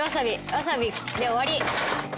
わさびで終わり。